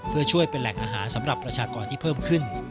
เพื่อช่วยเป็นแหล่งอาหารสำหรับประชากรที่เพิ่มขึ้น